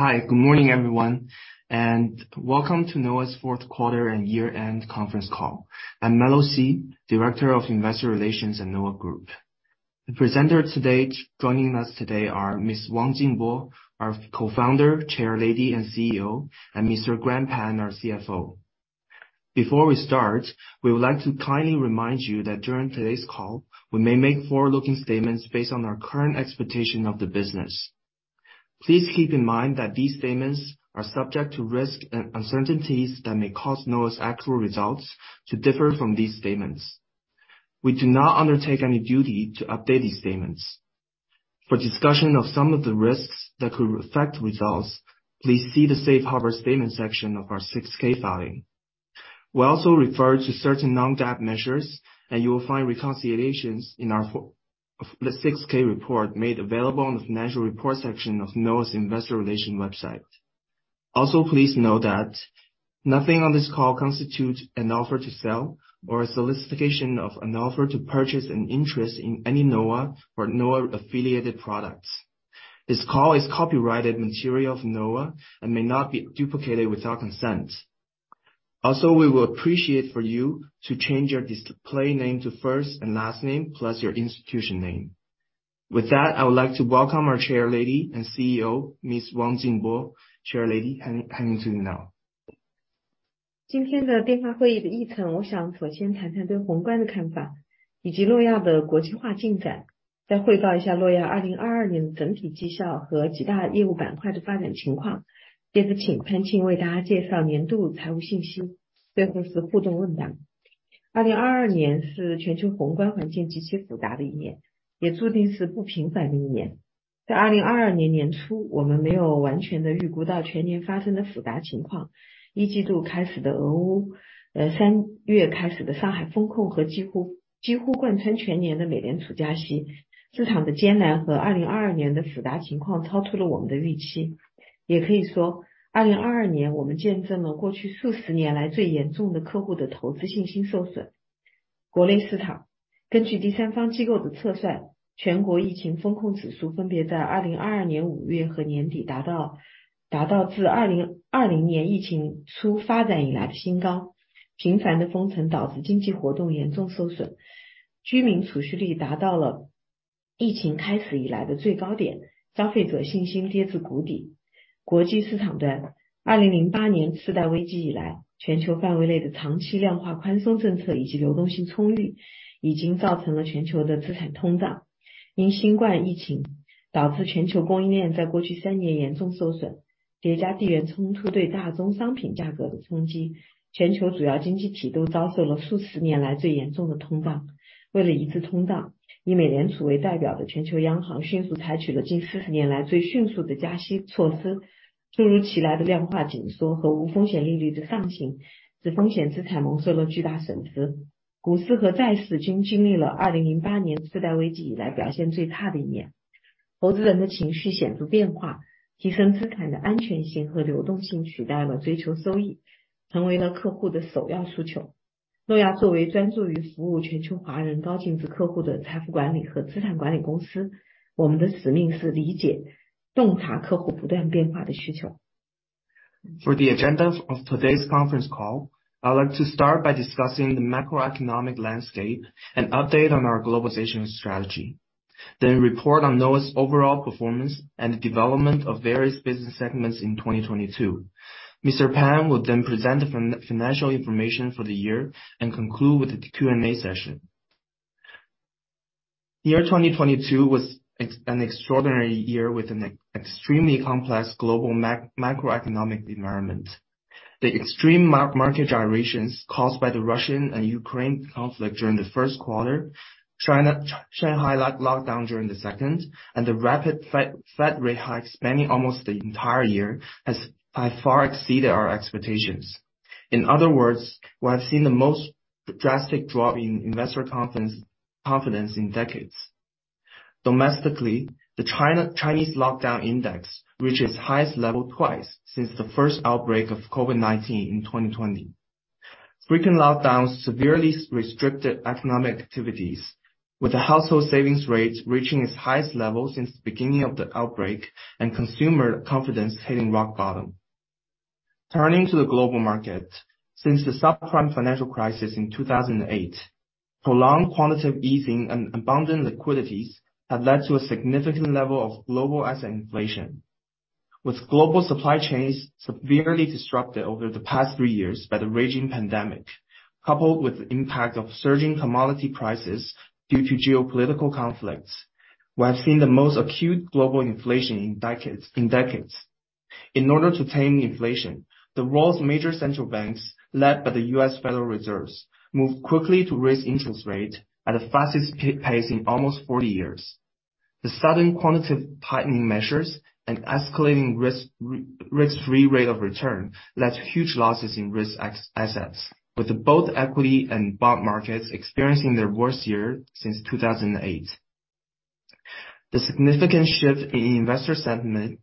Hi. Good morning everyone, and welcome to Noah's fourth quarter and year-end conference call. I'm Melo Xi, Director of Investor Relations at Noah Group. Joining us today are Jingbo Wang, our Co-Founder, Chairlady, and CEO, and Grant Pan, our CFO. Before we start, we would like to kindly remind you that during today's call, we may make forward-looking statements based on our current expectation of the business. Please keep in mind that these statements are subject to risks and uncertainties that may cause Noah's actual results to differ from these statements. We do not undertake any duty to update these statements. For discussion of some of the risks that could affect results, please see the Safe Harbor Statement section of our 6-K filing. We also refer to certain non-GAAP measures, and you will find reconciliations in our the 6-K report made available on the Financial Report section of Noah's investor relation website. Please know that nothing on this call constitutes an offer to sell or a solicitation of an offer to purchase an interest in any Noah or Noah-affiliated products. This call is copyrighted material of Noah, and may not be duplicated without consent. We will appreciate for you to change your display name to first and last name, plus your institution name. With that, I would like to welcome our Chairlady and CEO, Miss Jingbo Wang. Chairlady, handing to you now. For the agenda of today's conference call, I would like to start by discussing the macroeconomic landscape and update on our globalization strategy, then report on Noah's overall performance and the development of various business segments in 2022. Mr. Pan will then present the financial information for the year and conclude with the Q&A session. The year 2022 was an extraordinary year with an extremely complex global macroeconomic environment. The extreme market gyrations caused by the Russian and Ukrainian conflict during the first quarter, China-Shanghai lockdown during the second, and the rapid Fed rate hike spanning almost the entire year has by far exceeded our expectations. In other words, we have seen the most drastic drop in investor confidence in decades. Domestically, the China-Chinese lockdown index, which is highest level twice since the first outbreak of COVID-19 in 2020. Frequent lockdowns severely restricted economic activities, with the household savings rate reaching its highest level since the beginning of the outbreak and consumer confidence hitting rock bottom. Turning to the global market. Since the subprime financial crisis in 2008, prolonged quantitative easing and abundant liquidities have led to a significant level of global asset inflation. With global supply chains severely disrupted over the past three years by the raging pandemic, coupled with the impact of surging commodity prices due to geopolitical conflicts, we have seen the most acute global inflation in decades. In order to tame inflation, the world's major central banks, led by the U.S. Federal Reserve, moved quickly to raise interest rate at the fastest pace in almost 40 years. The sudden quantitative tightening measures and escalating risk-free rate of return led to huge losses in risk assets, with the both equity and bond markets experiencing their worst year since 2008. The significant shift in investor sentiment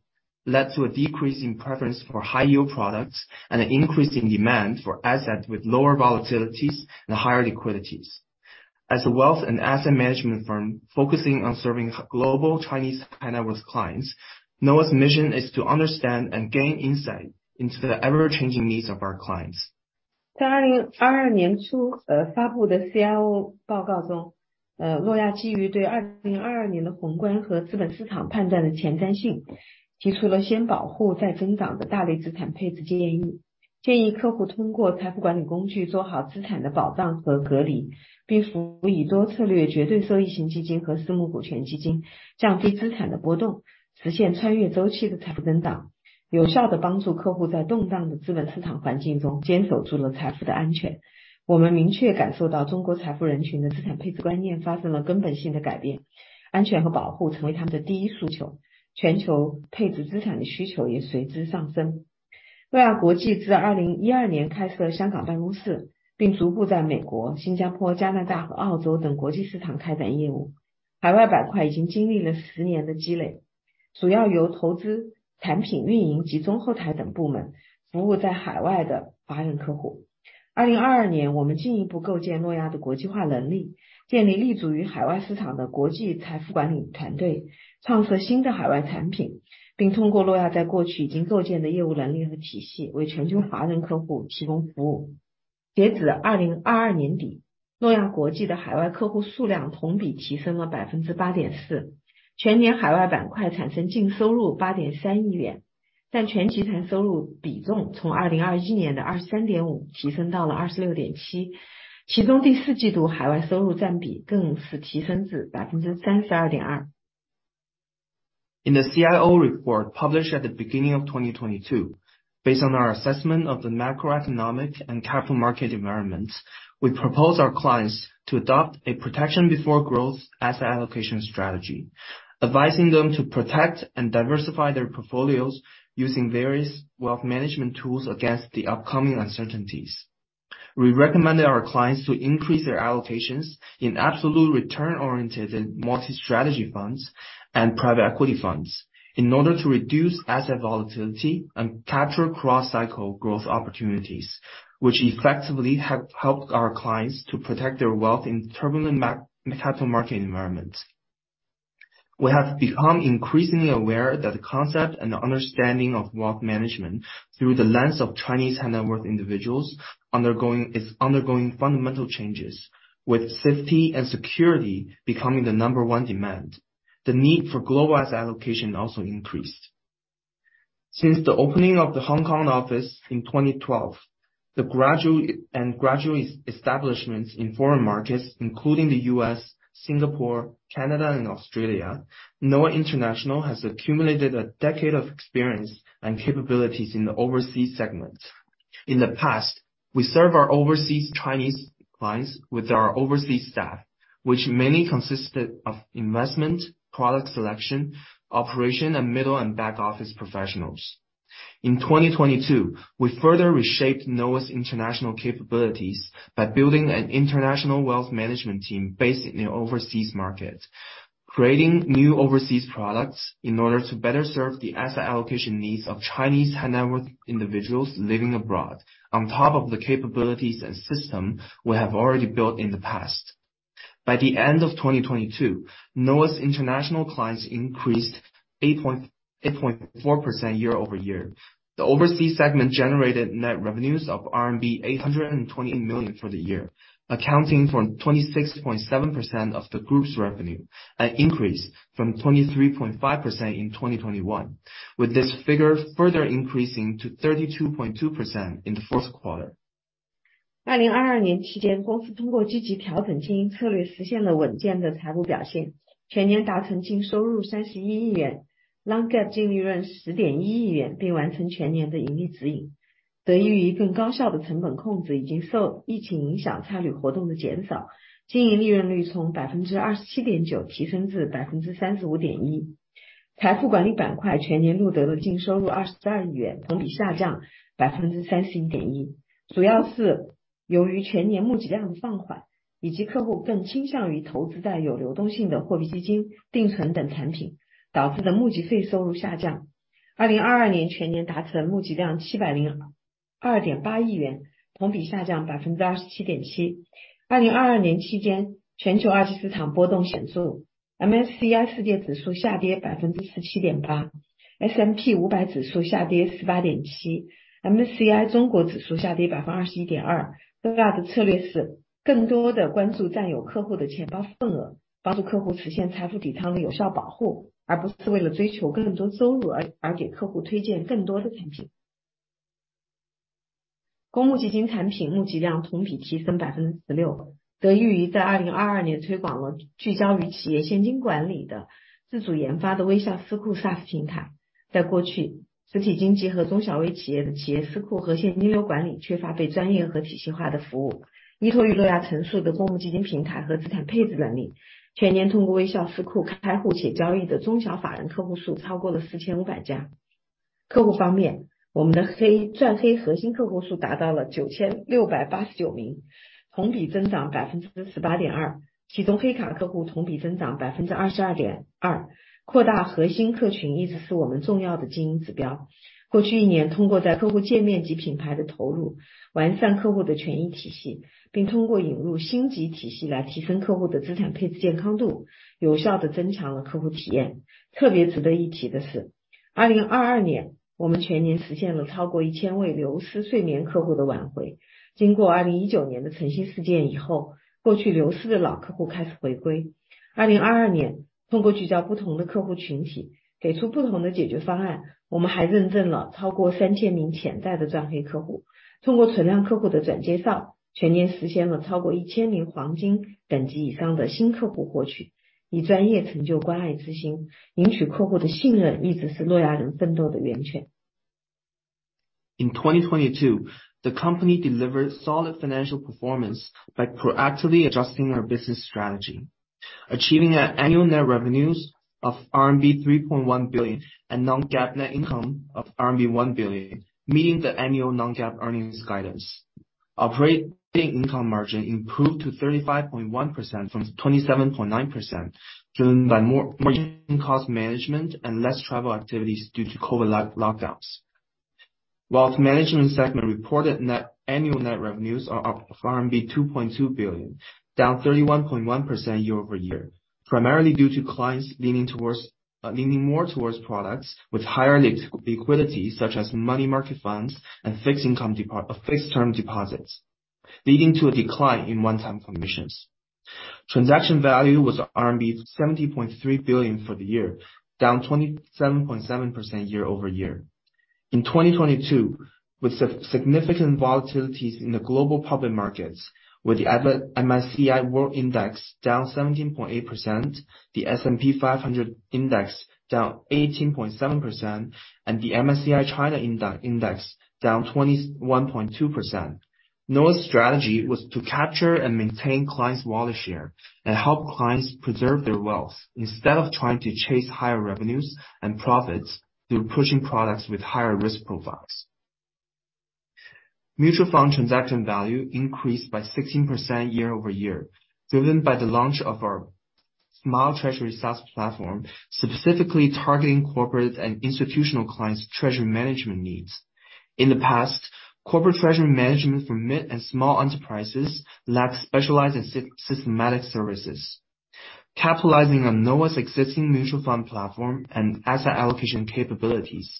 led to a decrease in preference for high-yield products and an increase in demand for assets with lower volatilities and higher liquidities. As a wealth and asset management firm focusing on serving global Chinese high-net-worth clients, Noah's mission is to understand and gain insight into the ever-changing needs of our clients. 在2022年 初，发 布的 CIO 报告 中，诺 亚基于对2022年的宏观和资本市场判断的前瞻 性，提 出了先保护再增长的大类资产配置建 议，建 议客户通过财富管理工具做好资产的保障和隔 离，并 辅以多策略绝对收益型基金和私募股权基 金，降 低资产的波 动，实 现穿越周期的财富增 长，有 效地帮助客户在动荡的资本市场环境中坚守住了财富的安全。我们明确感受到中国财富人群的资产配置观念发生了根本性的改 变，安 全和保护成为他们的第一诉 求，全 球配置资产的需求也随之上升。诺亚国际自2012年开设香港办公 室，并 逐步在美国、新加坡、加拿大和澳洲等国际市场开展业务。海外板块已经经历了10年的积 累，主 要由投资产品运营、集中后台等部门服务在海外的华人客户。2022 年，我 们进一步构建诺亚的国际化能 力，建 立立足于海外市场的国际财富管理团 队，创 设新的海外产 品，并 通过诺亚在过去已经构建的业务能力和体 系，为 全球华人客户提供服务。截止2022年 底，诺 亚国际的海外客户数量同比提升了 8.4%，全 年海外板块产生净收入 RMB 830 million，占 全集团收入比重从2021年的 23.5% 提升到了 26.7%，其 中 Q4 海外收入占比更是提升至 32.2%。In the CIO report published at the beginning of 2022. Based on our assessment of the macroeconomic and capital market environments, we propose our clients to adopt a protection before growth asset allocation strategy, advising them to protect and diversify their portfolios using various wealth management tools against the upcoming uncertainties. We recommend our clients to increase their allocations in absolute return oriented and multi strategy funds and private equity funds in order to reduce asset volatility and capture cross-cycle growth opportunities, which effectively have helped our clients to protect their wealth in turbulent capital market environments. We have become increasingly aware that the concept and understanding of wealth management through the lens of Chinese high net worth individuals is undergoing fundamental changes, with safety and security becoming the number one demand. The need for global asset allocation also increased. Since the opening of the Hong Kong office in 2012, the gradual establishment in foreign markets, including the U.S., Singapore, Canada and Australia, Noah International has accumulated a decade of experience and capabilities in the overseas segment. In the past, we serve our overseas Chinese clients with our overseas staff, which mainly consisted of investment, product selection, operation and middle and back office professionals. In 2022, we further reshaped Noah's international capabilities by building an international wealth management team based in the overseas market, creating new overseas products in order to better serve the asset allocation needs of Chinese high net worth individuals living abroad. On top of the capabilities and system we have already built in the past. By the end of 2022, Noah's international clients increased 8.4% year-over-year. The overseas segment generated net revenues of RMB 820 million for the year, accounting for 26.7% of the Group's revenue, an increase from 23.5% in 2021, with this figure further increasing to 32.2% in the fourth quarter. 2022年期 间， 公司通过积极调整经营策 略， 实现了稳健的财务表 现， 全年达成净收入 CNY 3.1 billion， non-GAAP 净利润 CNY 1.01 billion， 并完成全年的盈利指引。得益于更高效的成本控制以及受疫情影响差旅活动的减 少， 经营利润率从 27.9% 提升至 35.1%。财富管理板块全年度得到了净收入 CNY 2.2 billion， 同比下降 31.1%。主要是由于全年募集量放 缓， 以及客户更倾向于投资在有流动性的货币基金定存等产 品， 导致的募集费收入下降。2022 年全年达成募集量 CNY 70.28 billion， 同比下降 27.7%。2022年期间全球二级市场波动显 著， MSCI World Index 下跌 17.8%， S&P 500 Index 下跌 18.7%， MSCI China Index 下跌 21.2%。Noah 的策略是更多地关注占有客户的钱包份 额， 帮助客户实现财富底仓的有效保 护， 而不是为了追求更多收入而给客户推荐更多的产品。公募基金产品募集量同比提升 16%。得益于在2022年推广了聚焦于企业现金管理的自主研发的 Smile Treasury SaaS 平 台， 在过去，实体经济和中小微企业的企业司库和现金流管理缺乏被专业和体系化的服务。依托于 Noah 成熟的公募基金平台和资产配置能 力， 全年通过 Smile Treasury 开户且交易的中小法人客户数超过了 4,500 家。客户方 面， 我们的 Black, Diamond and Black Card 核心客户数达到了 9,689 名， 同比增长 18.2%， 其中 Black Card 客户同比增长 22.2%。扩大核心客群一直是我们重要的经营指标。过去一 年， 通过在客户界面及品牌的投 入， 完善客户的权益体 系， 并通过引入 star rating system 来提升客户的资产配置健康 度， 有效地增强了客户体验。特别值得一提的是。2022年我们全年实现了超过 1,000 位流失睡眠客户的挽回。经过2019年的 Camsing Incident 以 后， 过去流失的老客户开始回归。2022年，通过聚焦不同的客户群 体， 给出不同的解决方 案， 我们还认证了超过 3,000 名潜在的转 Black Card 客 户， 通过存量客户的转介 绍， 全年实现了超过 1,000 名 Gold level 以上的新客 In 2022, the company delivered solid financial performance by proactively adjusting our business strategy, achieving an annual net revenues of RMB 3.1 billion and non-GAAP net income of RMB 1 billion, meeting the annual non-GAAP earnings guidance. Operating income margin improved to 35.1% from 27.9%, driven by more margin cost management and less travel activities due to COVID-19 lockdowns. Whilst management segment reported net annual net revenues RMB 2.2 billion, down 31.1% year-over-year, primarily due to clients leaning more towards products with higher liquidity such as money market funds and fixed term deposits, leading to a decline in one-time commissions. Transaction value was RMB 70.3 billion for the year, down 27.7% year-over-year. In 2022, with significant volatilities in the global public markets, with the global MSCI World Index down 17.8%, the S&P 500 Index down 18.7%, and the MSCI China Index down 21.2%. Noah's strategy was to capture and maintain clients' wallet share and help clients preserve their wealth, instead of trying to chase higher revenues and profits through pushing products with higher risk profiles. Mutual fund transaction value increased by 16% year-over-year, driven by the launch of our Smile Treasury SaaS platform, specifically targeting corporate and institutional clients treasury management needs. In the past, corporate treasury management for mid and small enterprises lacked specialized and systematic services. Capitalizing on Noah's existing mutual fund platform and asset allocation capabilities,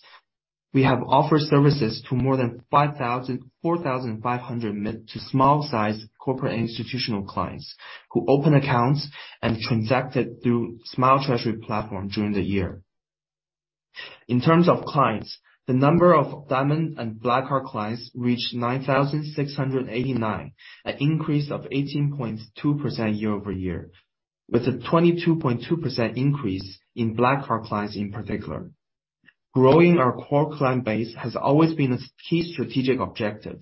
we have offered services to more than 4,500 mid to small-sized corporate institutional clients who open accounts and transacted through Smile Treasury platform during the year. In terms of clients, the number of Diamond and Black Card clients reached 9,689, an increase of 18.2% year-over-year, with a 22.2% increase in Black Card clients in particular. Growing our core client base has always been a key strategic objective.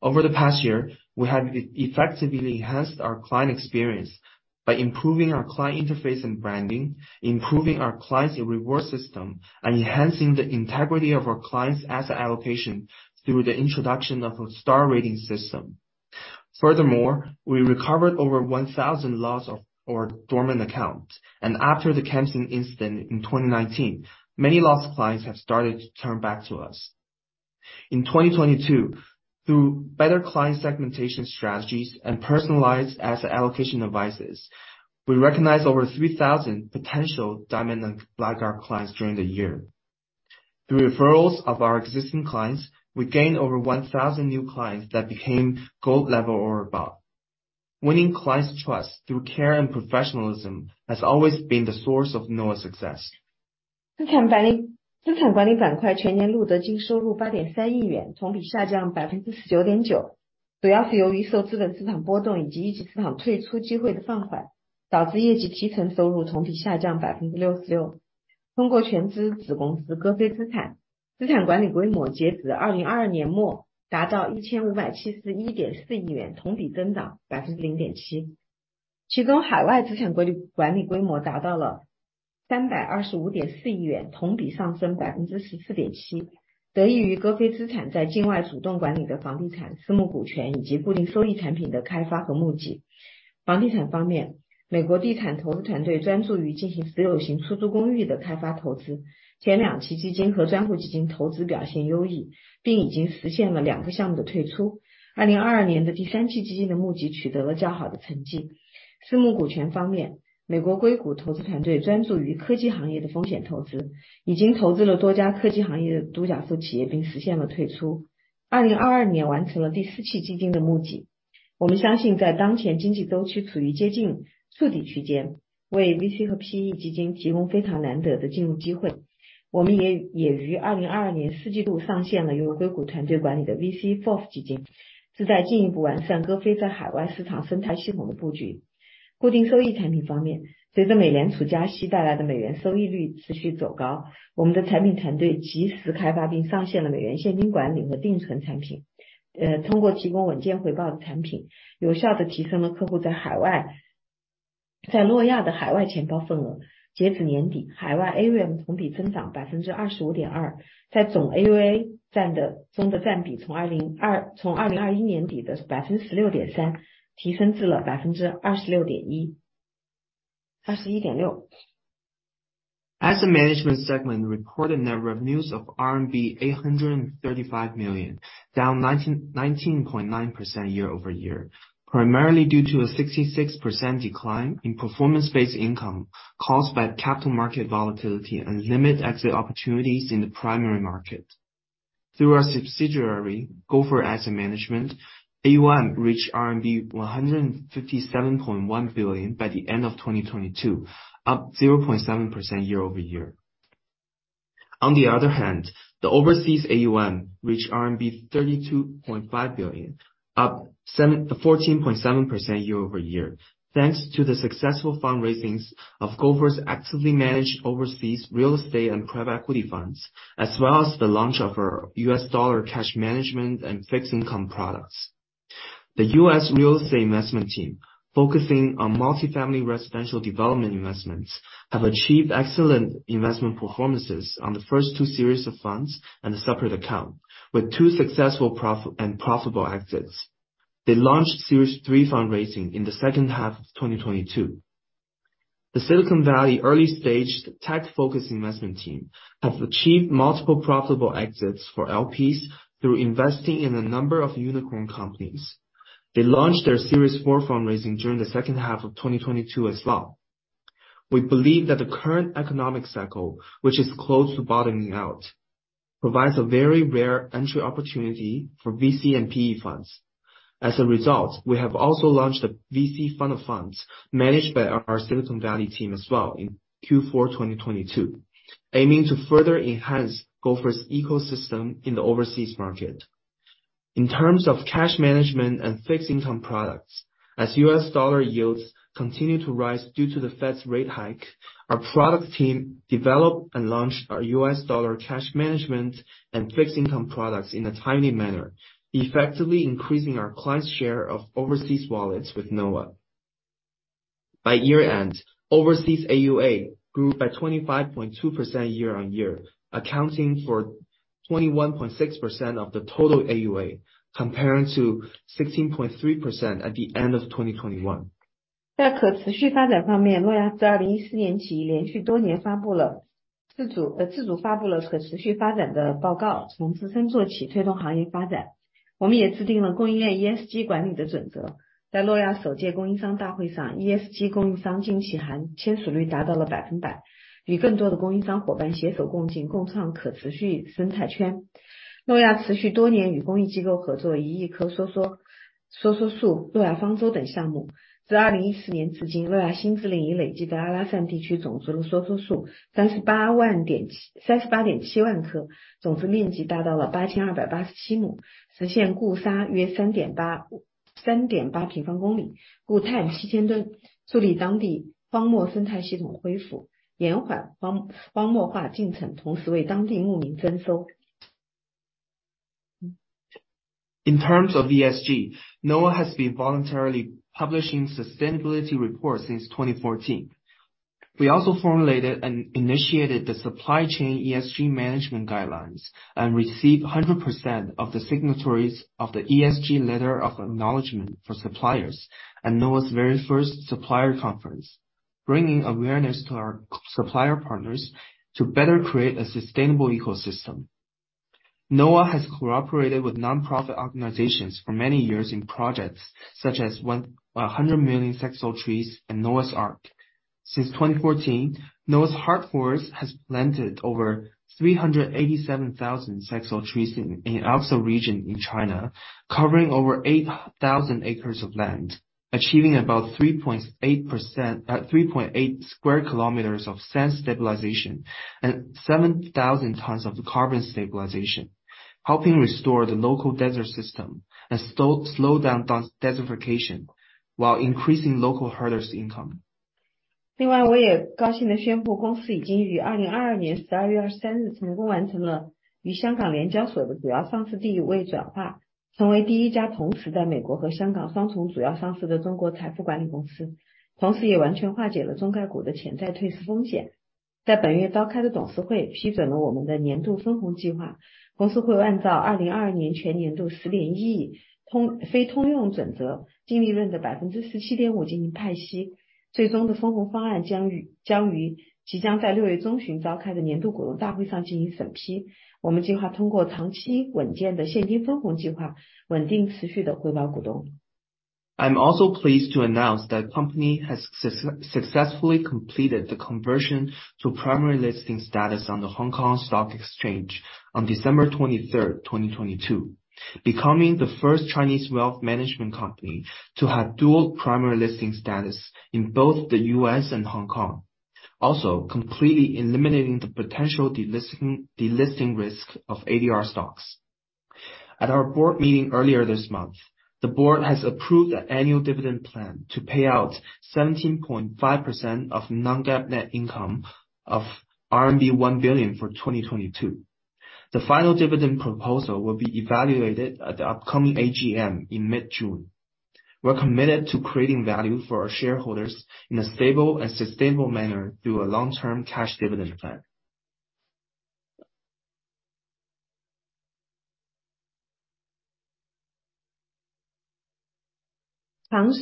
Over the past year, we have effectively enhanced our client experience by improving our client interface and branding, improving our clients' reward system, and enhancing the integrity of our clients' asset allocation through the introduction of a star rating system. Furthermore, we recovered over 1,000 lost or dormant accounts, and after the Camsing incident in 2019, many lost clients have started to turn back to us. In 2022, through better client segmentation strategies and personalized asset allocation advices, we recognized over 3,000 potential Diamond and Black Card clients during the year. Through referrals of our existing clients, we gained over 1,000 new clients that became Gold level or above. Winning clients' trust through care and professionalism has always been the source of Noah's success. 资产管理板块全年录得净收入八点三亿 元， 同比下降百分之十九点 九， 主要是由于受资本市场波动以及一级市场退出机会的放 缓， 导致业绩提成收入同比下降百分之六十六。通过全资子公司歌飞资 产， 资产管理规模截止二零二二年末达到一千五百七十一点四亿 元， 同比增长百分之零点七。其中海外资产管理规模达到了三百二十五点四亿 元， 同比上升百分之十四点七。得益于歌飞资产在境外主动管理的房地产、私募股权以及固定收益产品的开发和募集。房地产方 面， 美国地产投资团队专注于进行持有型出租公寓的开发投资。前两期基金和专户基金投资表现优 异， 并已经实现了两个项目的退出。二零二二年的第三期基金的募集取得了较好的成绩。私募股权方面，美国硅谷投资团队专注于科技行业的风险投 资， 已经投资了多家科技行业的独角兽企 业， 并实现了退出。二零二二年完成了第四期基金的募集。我们相信在当前经济周期处于接近触底区 间， 为 VC 和 PE 基金提供非常难得的进入机会。我们 也， 也于二零二二年四季度上线了由硅谷团队管理的 VC FOFs 基金， 旨在进一步完善歌飞在海外市场生态系统的布局。固定收益产品方 面， 随着美联储加息带来的美元收益率持续走 高， 我们的产品团队及时开发并上线了美元现金管理和定存产 品， 呃， 通过提供稳健回报产 品， 有效地提升了客户在海外--在诺亚的海外钱包份额。截止年 底， 海外 AUM 同比增长百分之二十五点 二， 在总 AUM 占的中的占比从二零二--从二零二一年底的百分之十六点三提升至了百分之二十六点一。二十一点六。Asset management segment reported net revenues of RMB 835 million, down 19.9% year-over-year, primarily due to a 66% decline in performance-based income caused by capital market volatility and limit exit opportunities in the primary market. Through our subsidiary, Gopher Asset Management, AUM reached RMB 157.1 billion by the end of 2022, up 0.7% year-over-year. On the other hand, the overseas AUM reached RMB 32.5 billion, up 14.7% year-over-year. Thanks to the successful fundraisings of Gopher's actively managed overseas real estate and private equity funds, as well as the launch of our U.S. dollar cash management and fixed income products. The U.S. real estate investment team, focusing on multi-family residential development investments, have achieved excellent investment performances on the first two series of funds and a separate account, with two successful and profitable exits. They launched Series 3 fundraising in the second half of 2022. The Silicon Valley early stage tech-focused investment team have achieved multiple profitable exits for LPs through investing in a number of unicorn companies. They launched their Series 4 fundraising during the second half of 2022 as well. We believe that the current economic cycle, which is close to bottoming out, provides a very rare entry opportunity for VC and PE funds. As a result, we have also launched a VC fund of funds managed by our Silicon Valley team as well in Q4 2022, aiming to further enhance Gopher's ecosystem in the overseas market. In terms of cash management and fixed income products, as U.S. dollar yields continue to rise due to the Fed's rate hike, our product team developed and launched our U.S. dollar cash management and fixed income products in a timely manner, effectively increasing our clients' share of overseas wallets with Noah. By year-end, overseas AUA grew by 25.2% year-on-year, accounting for 21.6% of the total AUA, comparing to 16.3% at the end of 2021. In terms of ESG, Noah has been voluntarily publishing sustainability reports since 2014. We also formulated and initiated the supply chain ESG management guidelines and received 100% of the signatories of the ESG letter of acknowledgment for suppliers and Noah's very first supplier conference, bringing awareness to our supplier partners to better create a sustainable ecosystem. Noah has cooperated with nonprofit organizations for many years in projects such as 100 million saxaul trees and Noah's Ark. Since 2014, Noah's Heart Forest has planted over 387,000 saxaul trees in Alxa region in China, covering over 8,000 acres of land, achieving about 3.8 square kilometers of sand stabilization and 7,000 tons of carbon stabilization, helping restore the local desert system and slow down desertification while increasing local herders' income. I'm also pleased to announce that company has successfully completed the conversion to primary listing status on the Hong Kong Stock Exchange on December 23, 2022, becoming the first Chinese wealth management company to have dual primary listing status in both the U.S. and Hong Kong. Also completely eliminating the potential delisting risk of ADR stocks. At our board meeting earlier this month, the board has approved an annual dividend plan to pay out 17.5% of non-GAAP net income of RMB 1 billion for 2022. The final dividend proposal will be evaluated at the upcoming AGM in mid-June. We're committed to creating value for our shareholders in a stable and sustainable manner through a long-term cash dividend plan. While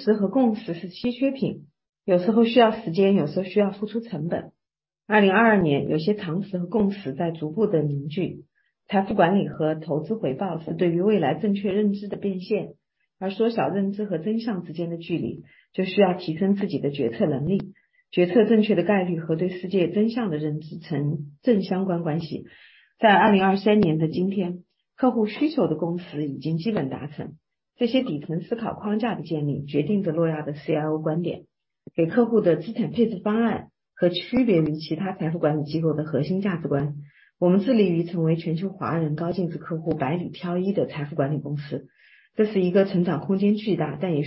smaller and then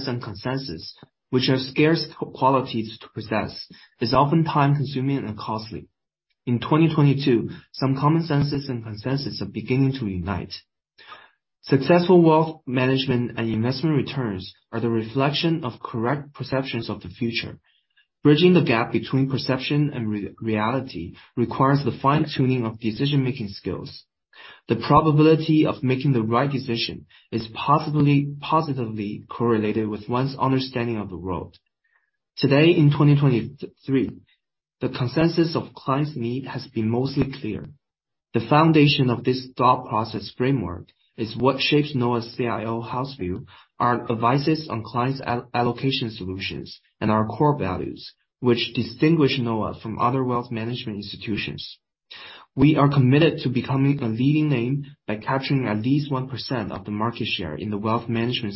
some between the two decision making skill. Decision make the right decision is positively correlated with one's understanding of the world. Today in 2023, the consensus of clients' need has been mostly clear. The foundation of this thought process framework is what shapes Noah's CIO house view, our advices on clients allocation solutions and our core values, which distinguish Noah from other wealth management institutions. We are committed to becoming a leading name by capturing at least 1% of the market share in the wealth management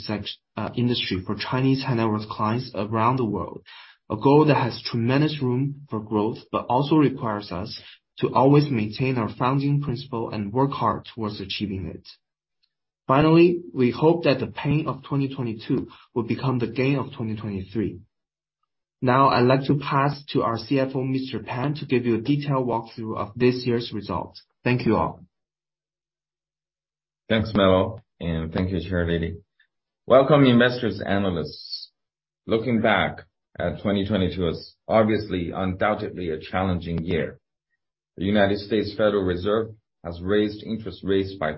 industry for Chinese high-net-worth clients around the world. A goal that has tremendous room for growth, but also requires us to always maintain our founding principle and work hard towards achieving it. Finally, we hope that the pain of 2022 will become the gain of 2023. Now I'd like to pass to our CFO, Mr. Pan, to give you a detailed walkthrough of this year's results. Thank you all. Thanks, Melo, and thank you, Chair Lady. Welcome investors, analysts. Looking back at 2022 was obviously undoubtedly a challenging year. The U.S. Federal Reserve has raised interest rates by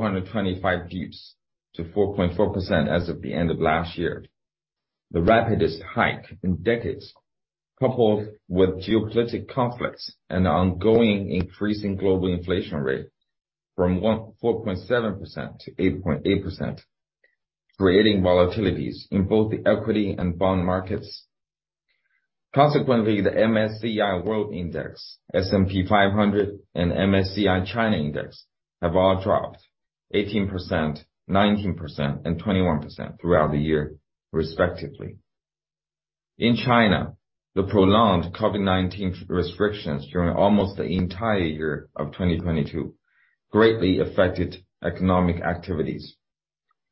cumulative 425 bps to 4.4% as of the end of last year. The rapidest hike in decades, coupled with geopolitical conflicts and the ongoing increasing global inflation rate from 4.7% to 8.8%, creating volatilities in both the equity and bond markets. Consequently, the MSCI World Index, S&P 500 and MSCI China Index have all dropped 18%, 19%, and 21% throughout the year, respectively. In China, the prolonged COVID-19 restrictions during almost the entire year of 2022 greatly affected economic activities.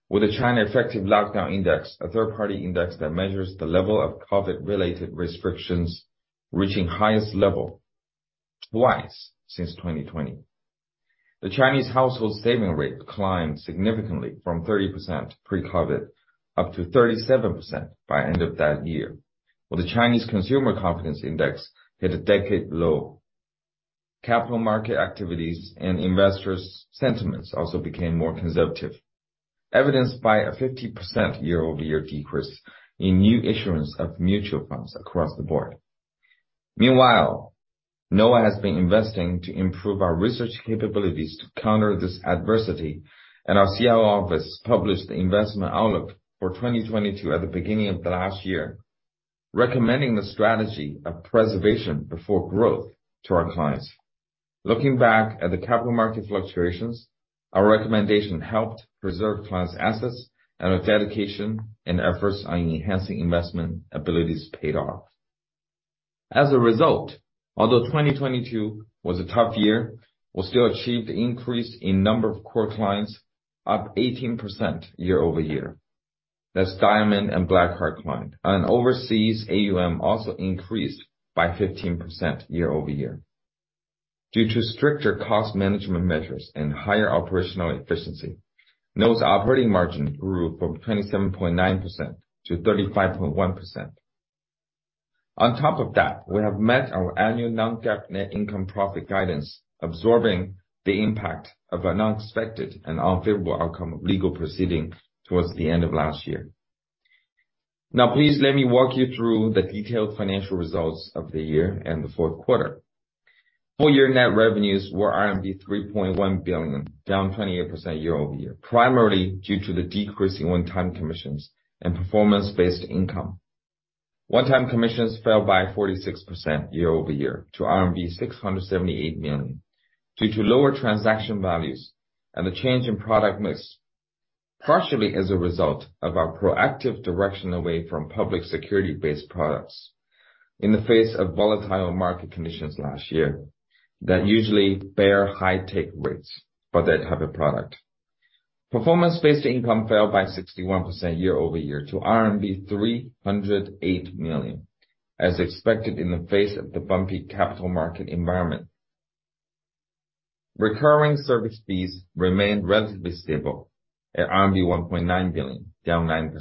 With the China Effective Lockdown Index, a third-party index that measures the level of COVID-related restrictions, reaching highest level twice since 2020. The Chinese household saving rate climbed significantly from 30% pre-COVID up to 37% by end of that year. The Chinese Consumer Confidence Index hit a decade low, capital market activities and investors' sentiments also became more conservative, evidenced by a 50% year-over-year decrease in new issuance of mutual funds across the board. Noah has been investing to improve our research capabilities to counter this adversity, and our CIO office published the investment outlook for 2022 at the beginning of the last year, recommending the strategy of preservation before growth to our clients. Looking back at the capital market fluctuations, our recommendation helped preserve clients' assets and our dedication and efforts on enhancing investment abilities paid off. As a result, although 2022 was a tough year, we still achieved increase in number of core clients, up 18% year-over-year. That's Diamond and Black Card client. Overseas AUM also increased by 15% year-over-year. Due to stricter cost management measures and higher operational efficiency, those operating margin grew from 27.9% to 35.1%. On top of that, we have met our annual non-GAAP net income profit guidance, absorbing the impact of an unexpected and unfavorable outcome of legal proceeding towards the end of last year. Please let me walk you through the detailed financial results of the year and the fourth quarter. Full year net revenues were RMB 3.1 billion, down 28% year-over-year. Primarily due to the decrease in one-time commissions and performance-based income. One-time commissions fell by 46% year-over-year to RMB 678 million due to lower transaction values and the change in product mix, partially as a result of our proactive direction away from public security-based products in the face of volatile market conditions last year that usually bear high take rates for that type of product. Performance-based income fell by 61% year-over-year to RMB 308 million, as expected in the face of the bumpy capital market environment. Recurring service fees remained relatively stable at RMB 1.9 billion, down 9%.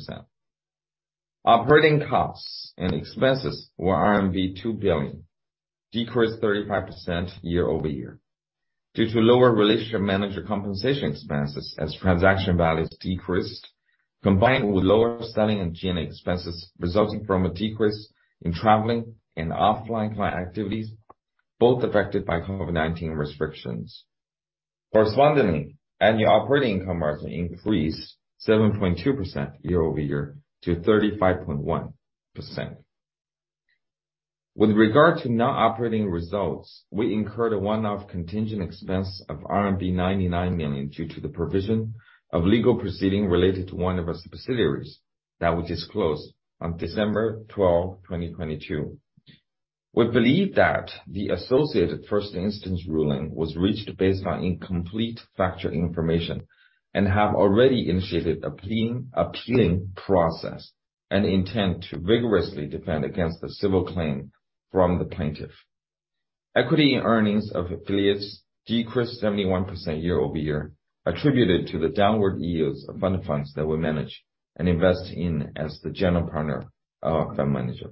Operating costs and expenses were RMB 2 billion, decreased 35% year-over-year. Due to lower relationship manager compensation expenses as transaction values decreased, combined with lower selling and G&A expenses resulting from a decrease in traveling and offline client activities, both affected by COVID-19 restrictions. Correspondingly, annual operating income margin increased 7.2% year-over-year to 35.1%. With regard to non-operating results, we incurred a one-off contingent expense of RMB 99 million due to the provision of legal proceeding related to one of our subsidiaries that we disclosed on 12 December 2022. We believe that the associated first instance ruling was reached based on incomplete factual information and have already initiated appealing process and intend to vigorously defend against the civil claim from the plaintiff. Equity earnings of affiliates decreased 71% year-over-year, attributed to the downward yields of fund of funds that were managed and invest in as the general partner of fund manager.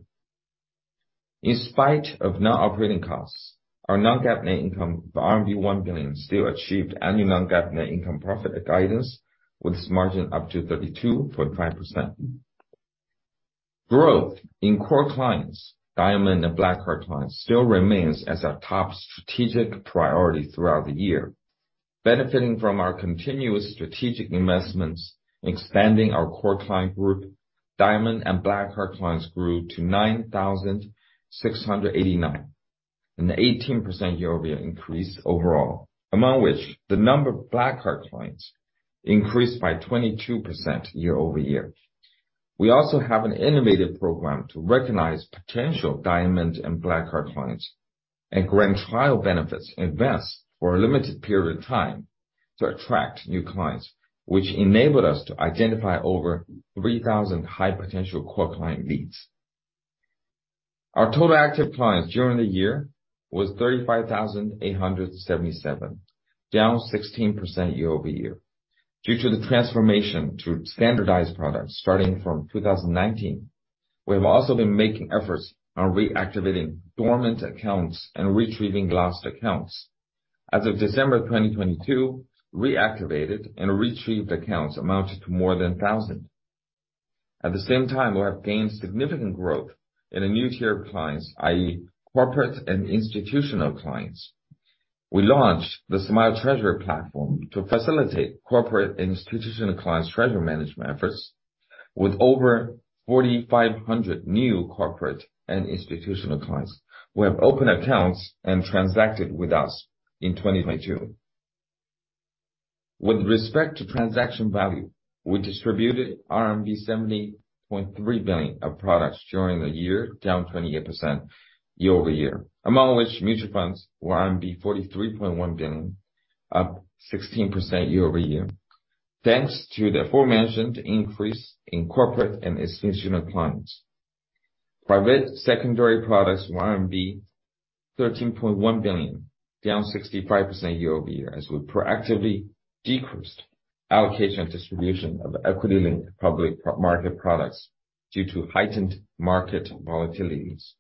In spite of non-operating costs, our non-GAAP net income of RMB 1 billion still achieved annual non-GAAP net income profit guidance with this margin up to 32.5%. Growth in core clients, Diamond and Black Card clients, still remains as our top strategic priority throughout the year. Benefiting from our continuous strategic investments in expanding our core client group, Diamond and Black Card clients grew to 9,689, an 18% year-over-year increase overall, among which the number of Black Card clients increased by 22% year-over-year. We also have an innovative program to recognize potential Diamond and Black Card clients and grant trial benefits in advance for a limited period of time to attract new clients, which enabled us to identify over 3,000 high potential core client leads. Our total active clients during the year was 35,877, down 16% year-over-year. Due to the transformation to standardized products starting from 2019, we have also been making efforts on reactivating dormant accounts and retrieving lost accounts. As of December 2022, reactivated and retrieved accounts amounted to more than 1,000. At the same time, we have gained significant growth in a new tier of clients, i.e. corporate and institutional clients. We launched the Smile Treasury platform to facilitate corporate institutional clients treasury management efforts with over 4,500 new corporate and institutional clients who have opened accounts and transacted with us in 2022. With respect to transaction value, we distributed RMB 70.3 billion of products during the year, down 28% year-over-year. Among which mutual funds were RMB 43.1 billion, up 16% year-over-year. Thanks to the aforementioned increase in corporate and institutional clients. Private secondary products were 13.1 billion, down 65% year-over-year, as we proactively decreased allocation and distribution of equity-linked public market products due to heightened market volatilities.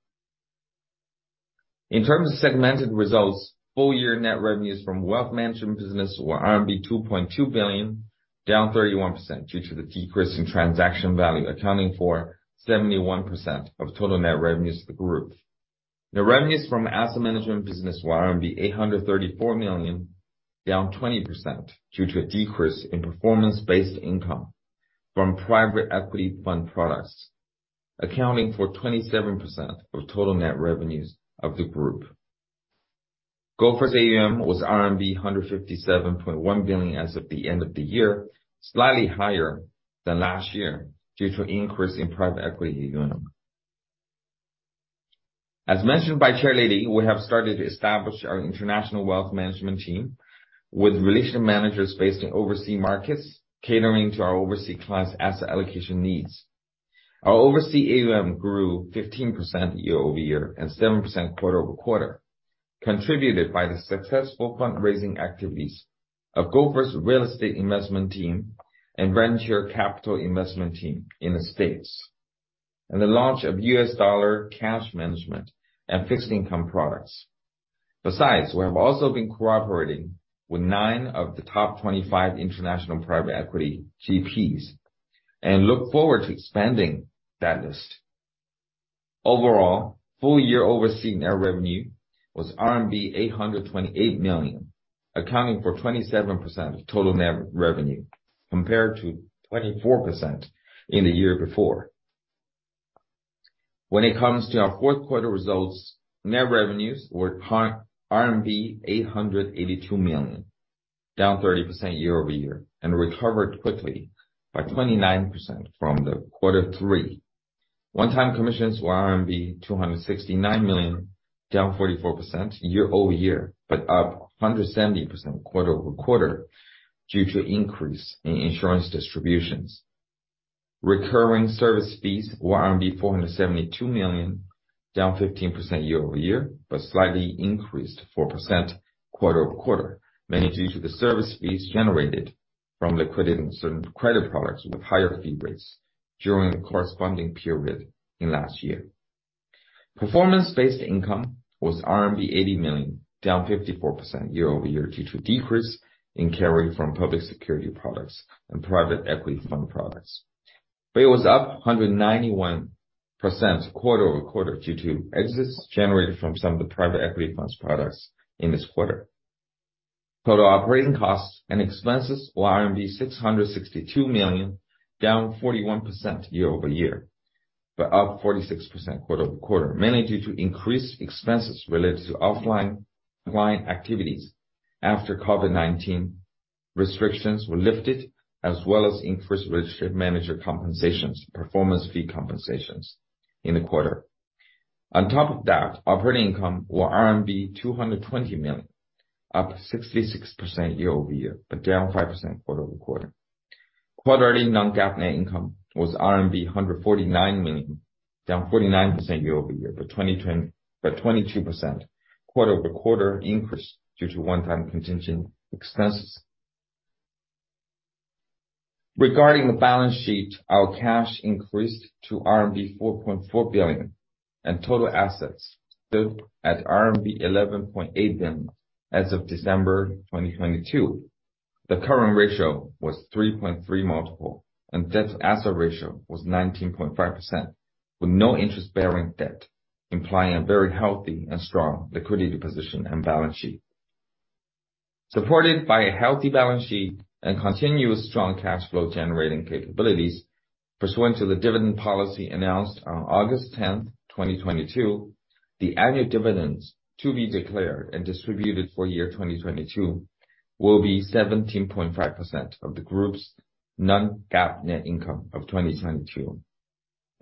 In terms of segmented results, full year net revenues from wealth management business were RMB 2.2 billion, down 31% due to the decrease in transaction value, accounting for 71% of total net revenues to the group. The revenues from asset management business were 834 million, down 20% due to a decrease in performance-based income from private equity fund products, accounting for 27% of total net revenues of the group. Gopher AUM was RMB 157.1 billion as of the end of the year, slightly higher than last year due to increase in private equity AUM. As mentioned by Chairlady, we have started to establish our international wealth management team with relationship managers based in overseas markets, catering to our overseas clients' asset allocation needs. Our oversea AUM grew 15% year-over-year and 7% quarter-over-quarter, contributed by the successful fundraising activities of Gopher real estate investment team and venture capital investment team in the States. The launch of U.S. dollar cash management and fixed income products. Besides, we have also been cooperating with nine of the top 25 international private equity GPs, and look forward to expanding that list. Overall, full year overseas net revenue was RMB 828 million, accounting for 27% of total net revenue, compared to 24% in the year before. When it comes to our fourth quarter results, net revenues were RMB 882 million, down 30% year-over-year. Recovered quickly by 29% from the Q3. One-time commissions were RMB 269 million, down 44% year-over-year. Up 170% quarter-over-quarter due to increase in insurance distributions. Recurring service fees were 472 million. Down 15% year-over-year. Slightly increased 4% quarter-over-quarter, mainly due to the service fees generated from liquidating certain credit products with higher fee rates during the corresponding period in last year. Performance-based income was RMB 80 million, down 54% year-over-year due to decrease in carry from public security products and private equity fund products. It was up 191% quarter-over-quarter due to exits generated from some of the private equity fund products in this quarter. Total operating costs and expenses were RMB 662 million, down 41% year-over-year, but up 46% quarter-over-quarter, mainly due to increased expenses related to offline client activities after COVID-19 restrictions were lifted, as well as increased registered manager compensations, performance fee compensations in the quarter. On top of that, operating income were 220 million, up 66% year-over-year, but down 5% quarter-over-quarter. Quarterly non-GAAP net income was RMB 149 million, down 49% year-over-year, but 22% quarter-over-quarter increase due to one-time contingent expenses. Regarding the balance sheet, our cash increased to RMB 4.4 billion and total assets stood at RMB 11.8 billion as of December 2022. The current ratio was 3.3x multiple and debt to asset ratio was 19.5% with no interest-bearing debt, implying a very healthy and strong liquidity position and balance sheet. Supported by a healthy balance sheet and continuous strong cash flow generating capabilities, pursuant to the dividend policy announced on 10 August 2022, the annual dividends to be declared and distributed for year 2022 will be 17.5% of the group's non-GAAP net income of 2022.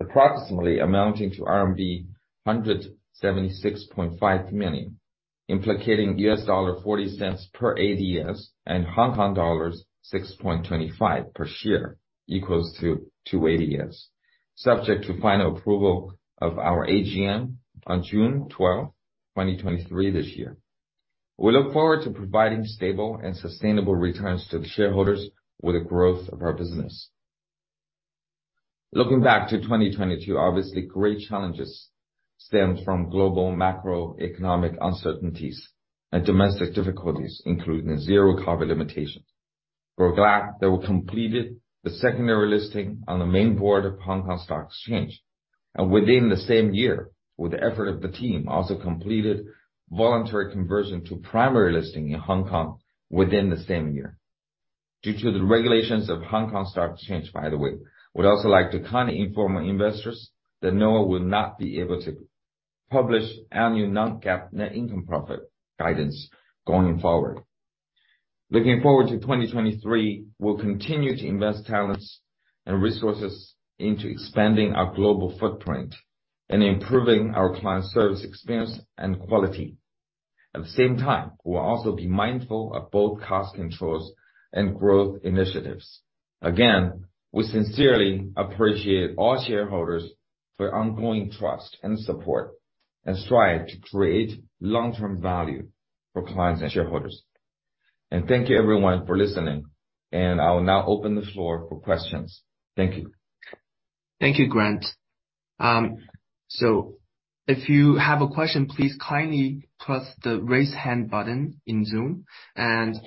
Approximately amounting to RMB 176.5 million, implicating $0.40 per ADS, and Hong Kong dollars 6.25 per share equals to 2 ADS, subject to final approval of our AGM on June 12, 2023 this year. We look forward to providing stable and sustainable returns to the shareholders with the growth of our business. Looking back to 2022, obviously great challenges stems from global macroeconomic uncertainties and domestic difficulties, including zero COVID limitations. We're glad that we completed the secondary listing on the main board of Hong Kong Stock Exchange, within the same year, with the effort of the team, also completed voluntary conversion to primary listing in Hong Kong within the same year. Due to the regulations of Hong Kong Stock Exchange, by the way, we'd also like to kindly inform our investors that Noah will not be able to publish annual non-GAAP net income profit guidance going forward. Looking forward to 2023, we'll continue to invest talents and resources into expanding our global footprint and improving our client service experience and quality. At the same time, we'll also be mindful of both cost controls and growth initiatives. Again, we sincerely appreciate all shareholders for their ongoing trust and support, and strive to create long-term value for clients and shareholders. Thank you everyone for listening. I will now open the floor for questions. Thank you. Thank you, Grant. If you have a question, please kindly press the Raise Hand button in Zoom.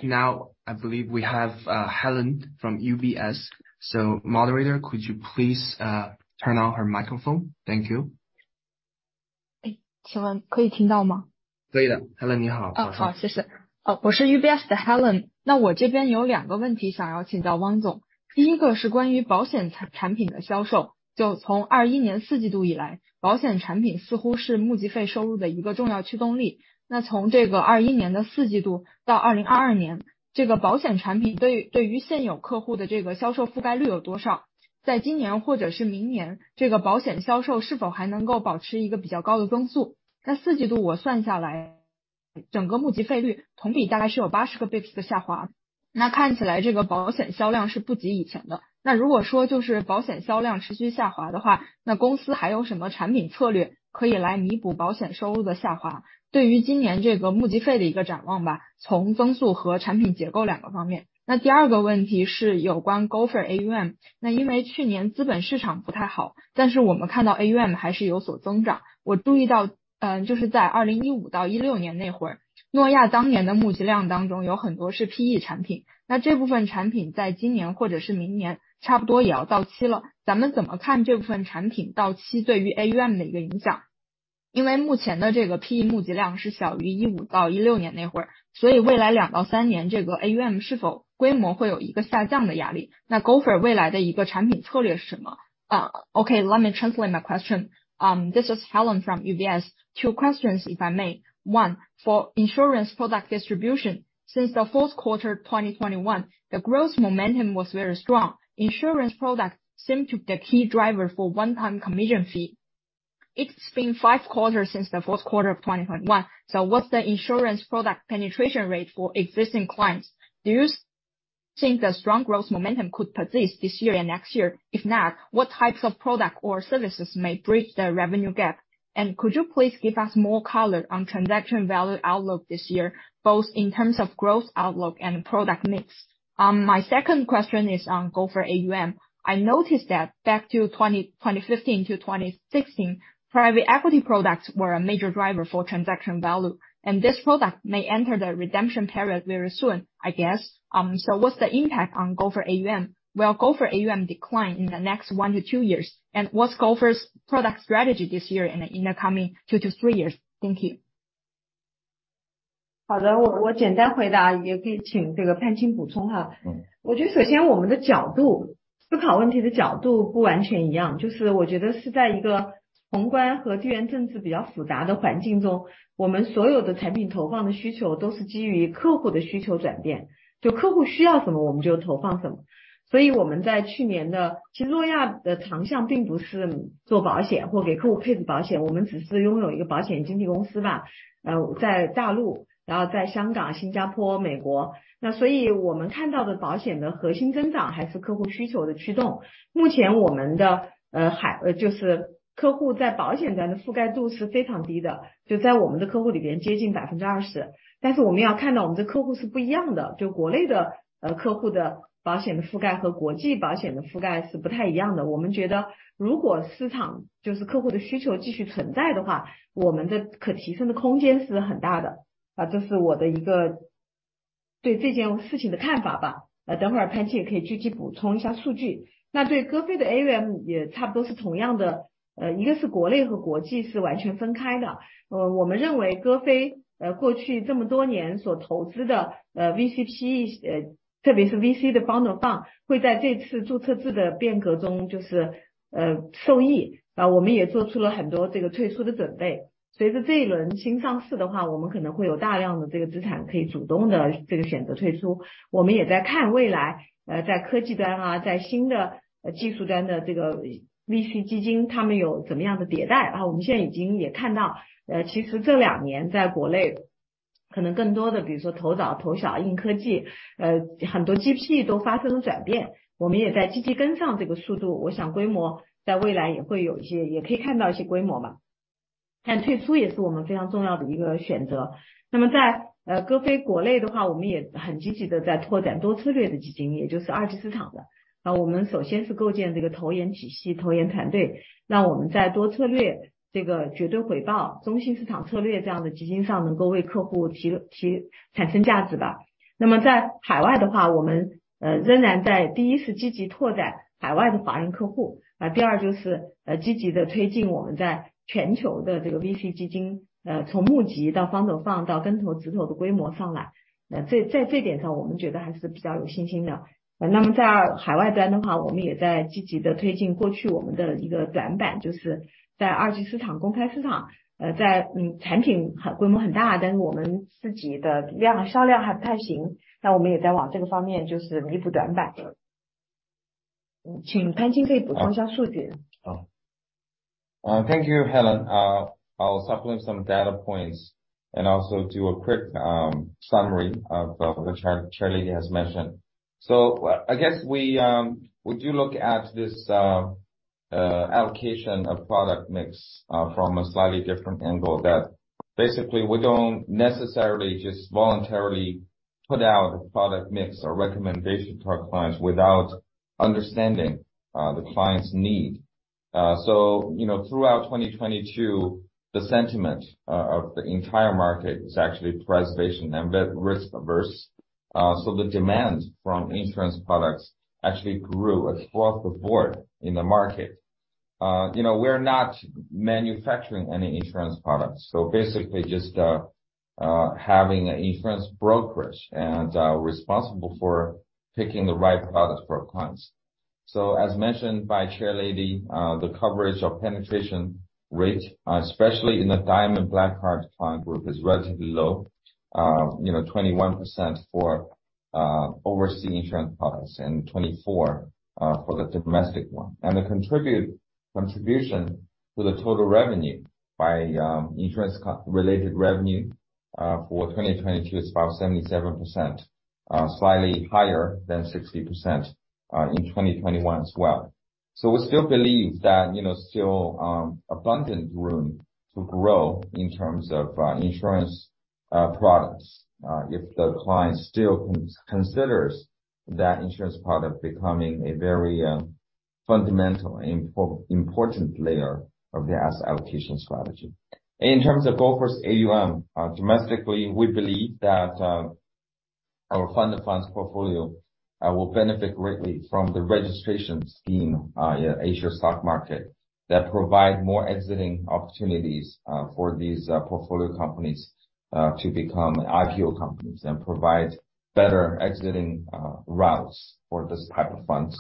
Now I believe we have Helen from UBS. Moderator, could you please turn on her microphone? Thank you. Let me translate my question. This is Helen from UBS. two questions, if I may. One, for insurance product distribution. Since the 4th quarter 2021, the growth momentum was very strong. Insurance products seem to be the key driver for one-time commission fee. It's been five quarters since the 4th quarter of 2021, what's the insurance product penetration rate for existing clients? Think the strong growth momentum could persist this year and next year. If not, what types of product or services may bridge the revenue gap? Could you please give us more color on transaction value outlook this year, both in terms of growth outlook and product mix. My second question is on Gopher AUM. I noticed that back to 2015 to 2016, private equity products were a major driver for transaction value, and this product may enter the redemption period very soon, I guess. What's the impact on Gopher AUM? Will Gopher AUM decline in the next one to two years? What's Gopher's product strategy this year and in the coming two to three years? Thank you. Thank you, Helen. I'll supplement some data points and also do a quick summary of what the Chairlady has mentioned. I guess we do look at this allocation of product mix from a slightly different angle that basically we don't necessarily just voluntarily put out a product mix or recommendation to our clients without understanding the client's need. You know, throughout 2022, the sentiment of the entire market is actually preservation and risk averse. The demand from insurance products actually grew across the board in the market. You know, we're not manufacturing any insurance products, basically just having an insurance brokerage and responsible for picking the right products for our clients. As mentioned by Chairlady, the coverage or penetration rate, especially in the Diamond Black Card client group, is relatively low. You know, 21% for overseas insurance products and 24% for the domestic one. The contribution to the total revenue by insurance related revenue for 2022 is about 77%, slightly higher than 60% in 2021 as well. We still believe that, you know, still abundant room to grow in terms of insurance products. If the client still considers that insurance product becoming a very fundamental important layer of their asset allocation strategy. In terms of Gopher's AUM, domestically, we believe that our fund of funds portfolio will benefit greatly from the registration scheme in A-share stock market that provide more exiting opportunities for these portfolio companies to become IPO companies and provide better exiting routes for this type of funds.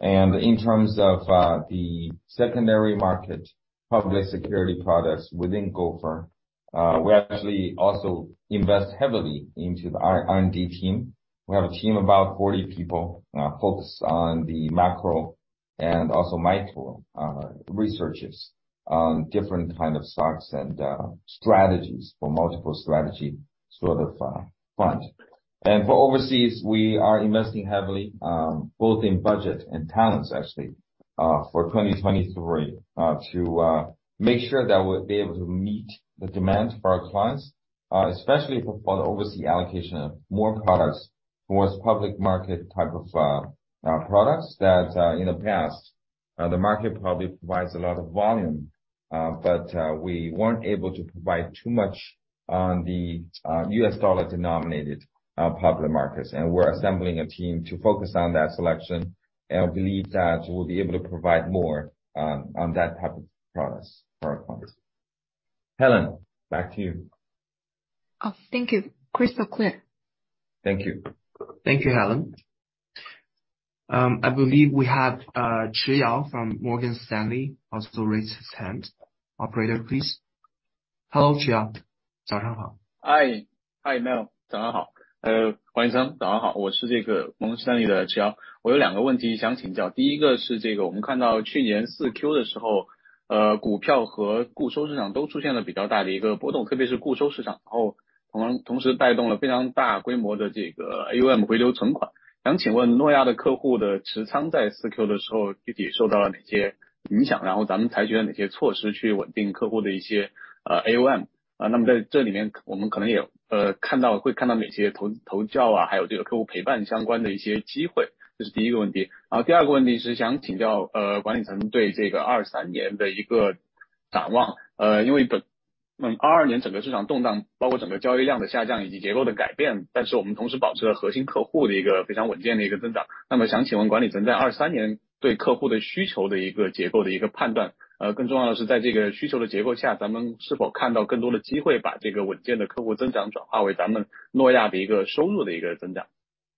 In terms of the secondary market public security products within Gopher, we actually also invest heavily into our R&D team. We have a team of about 40 people focused on the macro and also micro researches on different kind of stocks and strategies for multiple strategy sort of fund. For overseas, we are investing heavily, both in budget and talents actually, for 2023 to make sure that we'll be able to meet the demands for our clients, especially for the overseas allocation of more products towards public market type of products that in the past the market probably provides a lot of volume, but we weren't able to provide too much on the USD-denominated public markets. We're assembling a team to focus on that selection, and I believe that we'll be able to provide more on that type of products for our clients. Helen, back to you. Thank you. Crystal clear. Thank you. Thank you, Helen. I believe we have Chiyao Huang from Morgan Stanley. Also raised his hand. Operator, please. Hello, Chiyao Huang. Hi. Hi.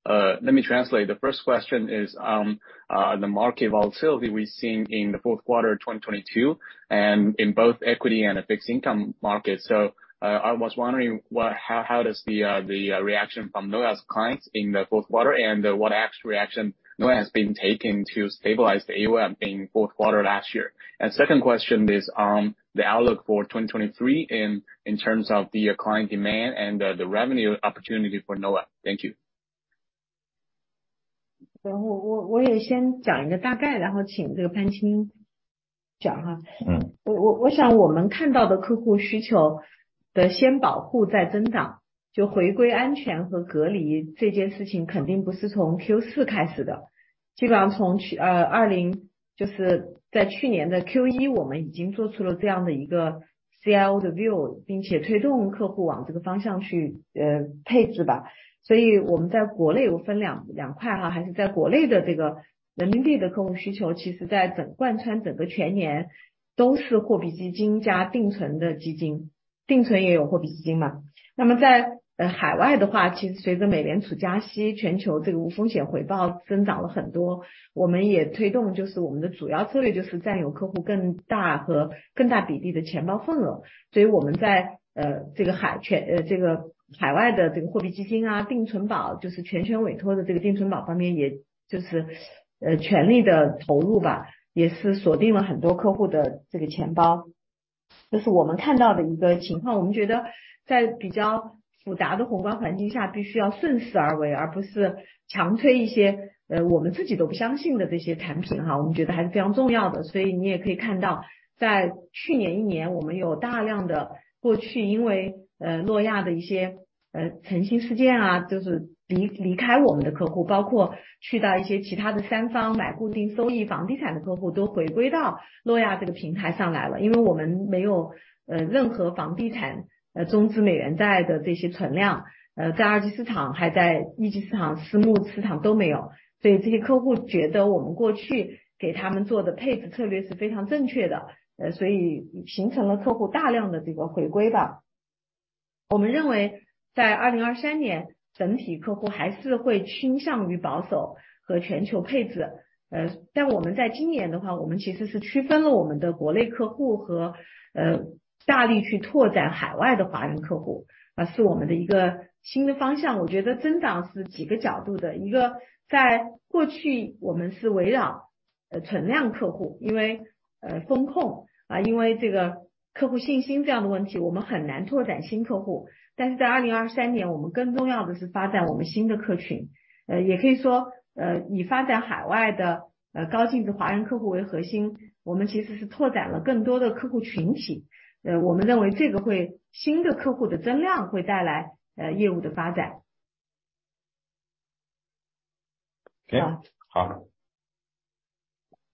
Let me translate. The first question is the market volatility we've seen in the fourth quarter 2022, and in both equity and the fixed income market. I was wondering how does the reaction from Noah's clients in the fourth quarter and what reaction Noah has been taking to stabilize the AUM in fourth quarter last year? Second question is on the outlook for 2023 in terms of the client demand and the revenue opportunity for Noah. Thank you.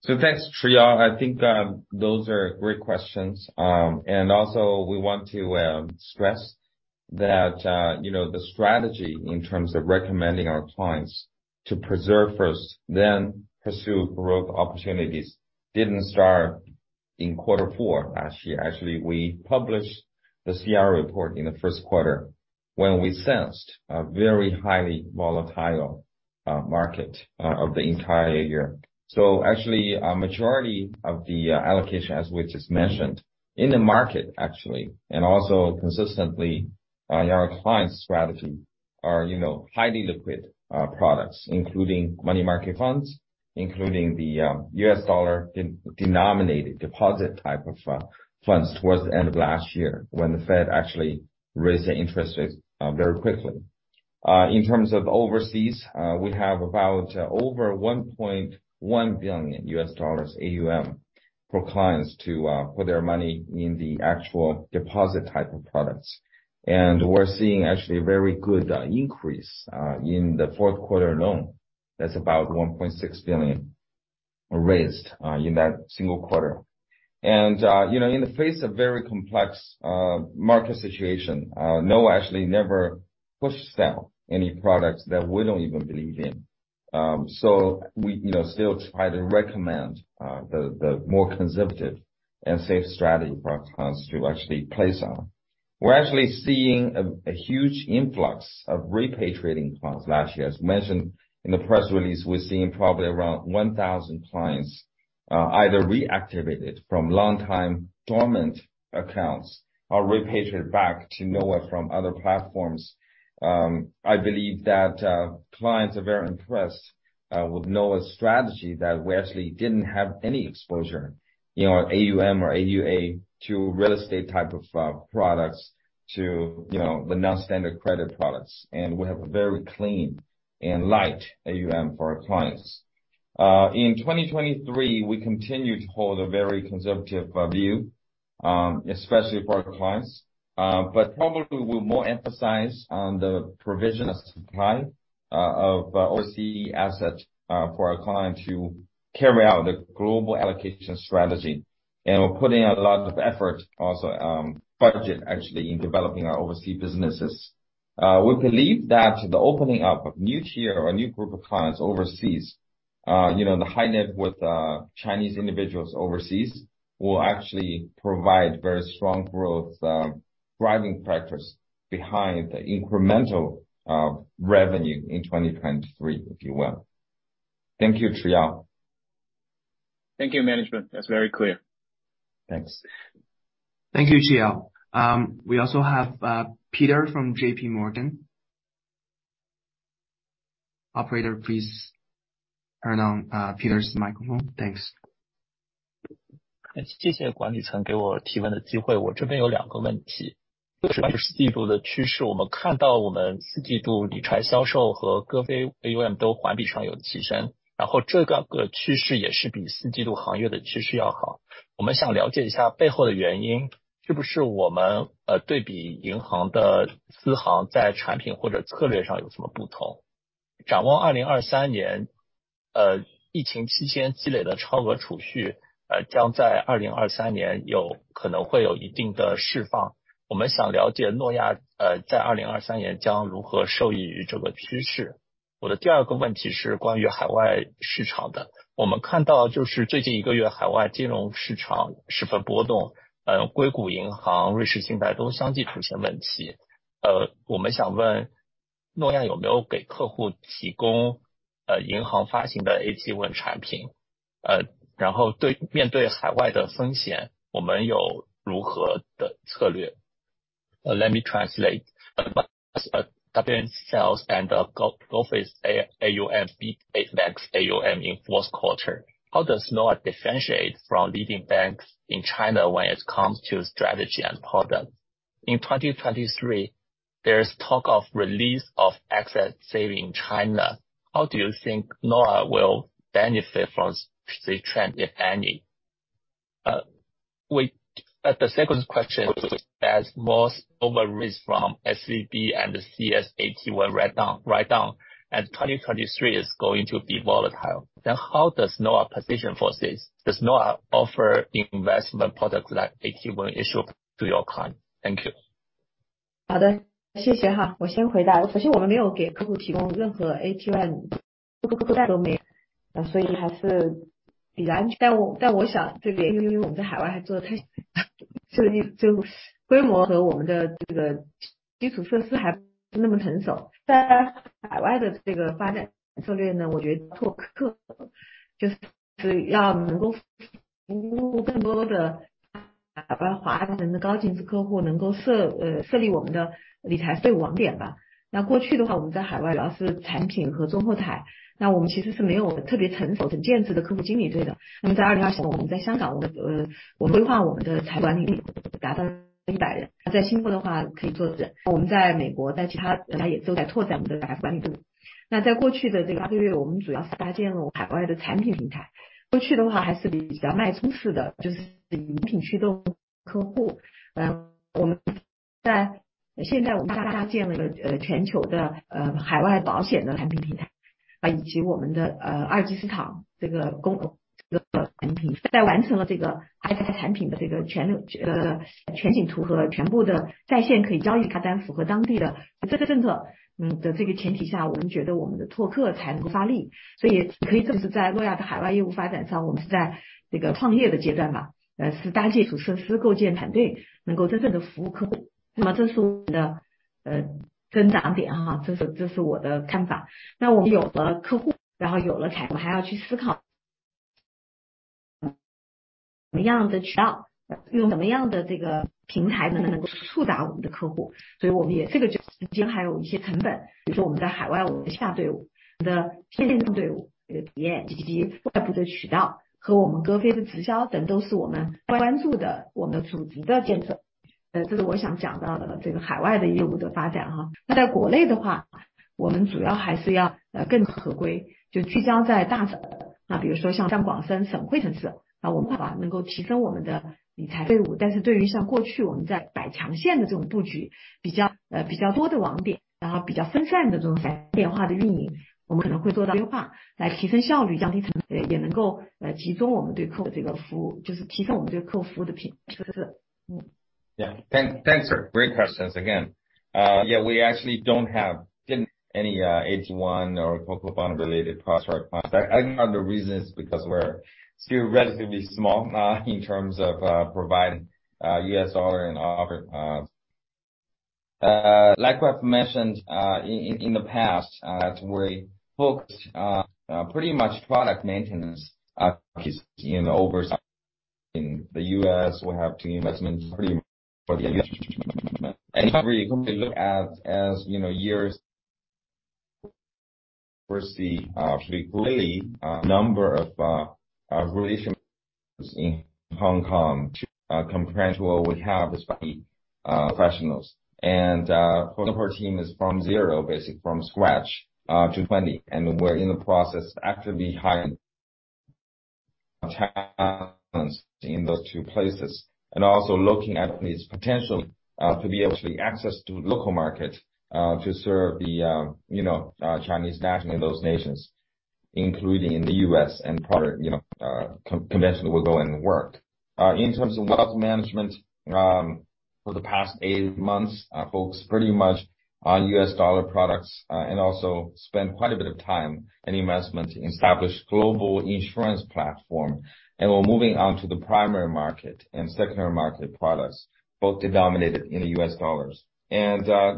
Thanks, Chiyao Huang. I think those are great questions. Also we want to stress that, you know, the strategy in terms of recommending our clients to preserve first, then pursue growth opportunities didn't start in quarter four last year. Actually, we published the CR report in the first quarter when we sensed a very highly volatile market of the entire year. Actually a majority of the allocation, as we just mentioned in the market actually, and also consistently, our clients strategy. Are, you know, highly liquid products, including money market funds, including the U.S. dollar-denominated deposit type of funds. Towards the end of last year, when the Fed actually raised the interest rates very quickly. In terms of overseas, we have about over $1.1 billion AUM for clients to put their money in the actual deposit type of products. We're seeing actually a very good increase in the fourth quarter alone. That's about $1.6 billion raised in that single quarter. You know, in the face of very complex market situation, Noah actually never push sell any products that we don't even believe in. We, you know, still try to recommend the more conservative and safe strategy for our clients to actually place on. We're actually seeing a huge influx of repatriating clients last year. As mentioned in the press release, we're seeing probably around 1,000 clients either reactivated from long time dormant accounts or repatriated back to Noah from other platforms. I believe that clients are very impressed with Noah's strategy, that we actually didn't have any exposure, you know, AUM or AUA to real estate type of products to, you know, the non-standard credit products. We have a very clean and light AUM for our clients. In 2023, we continue to hold a very conservative view, especially for our clients, but probably we'll more emphasize on the provision of supply of overseas assets for our client to carry out the global allocation strategy. We're putting a lot of effort, also, budget actually in developing our overseas businesses. We believe that the opening up of new tier or new group of clients overseas, you know, the high net worth, Chinese individuals overseas will actually provide very strong growth, driving factors behind the incremental, revenue in 2023, if you will. Thank you, Chiyao. Thank you, management. That's very clear. Thanks. Thank you, Chiyao. We also have Peter from JPMorgan. Operator, please turn on Peter's microphone. Thanks. 谢谢管理层给我提问的机会。我这边有两个问 题， 一个关于四季度的趋 势， 我们看到我们季度理财销售和歌飞 AUM 都环比上有提 升， 然后这个趋势也是比季度行业的趋势要好。我们想了解一下背后的原 因， 是不是我们呃对比银行的私行在产品或者策略上有什么不 同？ 展望二零二三 年， 呃疫情期间积累的超额储蓄将在二零二三年有可能会有一定的释放。我们想了解诺亚在二零二三年将如何受益于这个趋势。我的第二个问题是关于海外市场 的， 我们看到就是最近一个月海外金融市场十分波 动， 硅谷银行、瑞士信贷都相继出现问题。呃我们想问诺亚有没有给客户提供呃银行发行的 AT1 产 品？ 呃然后对面对海外的风 险， 我们有如何的策略 ？Let me translate. AUM sales and office A-AUM beat Max AUM in fourth quarter. How does Noah differentiate from leading banks in China when it comes to strategy and product? In 2023, there is talk of release of excess saving China. How do you think Noah will benefit from the trend, if any? The second question, as most over risks from SVB and Credit Suisse were write down, and 2023 is going to be volatile. How does Noah position for this? Does Noah offer investment products like AT1 issue to your client? Thank you. 好 的， 谢谢哈。我先回答。首先我们没有给客户提供任何 AT1， 都没 有， 所以还是比较安全。但我想这个因为我们在海外还做得太 小， 所以就规模和我们的这个基础设施还不是那么成熟。在海外的这个发展策略 呢， 我觉得拓客就是只要能够服务更多的华人的高净值客 户， 能够设 呃， 设立我们的理财服务网点吧。那过去的 话， 我们在海外主要是产品和中后 台， 那我们其实是没有特别成熟、成建制的客户经理队的。那么在二零二 零， 我们在香 港， 我 们， 呃， 我规划我们的财管理达到一百 人， 在新加坡的话可以 做， 我们在美 国， 在其他国家也都在拓展我们的财管理度。那在过去的这个八个 月， 我们主要是搭建了海外的产品平 台， 过去的话还是比较卖充式 的， 就是以产品驱动客户。我们现 在， 现在我们搭建了全球的 呃， 海外保险的产品平 台， 以及我们的 呃， 阿根廷市场这个公，这个产品。在完成了这个产品的这个 全， 呃， 全景图和全部的在线可以交 易， 它才符合当地的这个政策。的这个前提 下， 我们觉得我们的拓客才能够发力。所以可以这么 说， 在诺亚的海外业务发展 上， 我们是在这个创业的阶段 吧， 呃， 是搭基础设 施， 构建团 队， 能够真正的服务客 户， 那么这是我们的 呃， 增长点 啊， 这 是， 这是我的看法。那我们有了客 户， 然后有了产 品， 我们还要去思考什么样的渠 道， 用什么样的这个平 台， 能不能够触达我们的客户。所以我们也这个就之间还有一些成 本， 比如说我们在海 外， 我们的下队 伍， 我们的线下队伍的体 验， 以及外部的渠道和我们割费的直销 等， 都是我们关注 的， 我们组织的建设。这是我想讲到 的， 这个海外的业务的发展哈。那在国内的 话， 我们主要还是要更合 规， 就聚焦在大 的， 那比如说像像广深省会城市，我们能够提升我们的理财队伍。但是对于像过去我们在百强线的这种布 局， 比 较， 呃， 比较多的网 点， 然后比较分散的这种在线化的运 营， 我们可能会做到优 化， 来提升效 率， 降低成 本， 也能够集中我们对客户的服 务， 就是提升我们对客户服务的品质。Yeah. Thanks, thanks for great questions again. Yeah, we actually don't have any AT1 or CoCo bond related cross product. I know the reason is because we're still relatively small in terms of providing US dollar and offer. Like we have mentioned in the past that we focused on pretty much product maintenance in overseas. In the U.S., we have two investments pretty much for the as years we see actually clearly number of relations in Hong Kong compared to what we have is by professionals. Our team is from zero, basic from scratch to 20, and we're in the process to actually hiring in those two places, also looking at these potential to be able to be access to local markets to serve the Chinese national in those nations, including in the U.S. Product convention will go and work. In terms of wealth management, for the past eight months, focused pretty much on US dollar products, also spend quite a bit of time and investment to establish global insurance platform. We're moving on to the primary market and secondary market products, both denominated in the US dollars.